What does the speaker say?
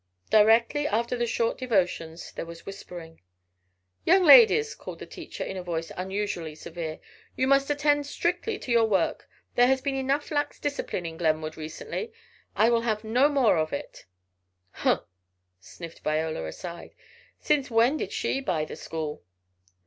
Directly after the short devotions there was whispering. "Young ladies!" called the teacher, in a voice unusually severe, "you must attend strictly to your work. There has been enough lax discipline in Glenwood recently. I will have no more of it." "Humph!" sniffed Viola, aside, "since when did she buy the school!"